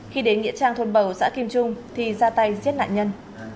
khi đến nghĩa trang thôn bầu xã kim trung thì ra tay giết nạn nhân